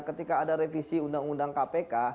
ketika ada revisi undang undang kpk